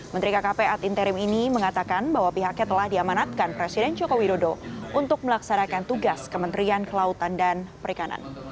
menteri kkp ad interim ini mengatakan bahwa pihaknya telah diamanatkan presiden joko widodo untuk melaksanakan tugas kementerian kelautan dan perikanan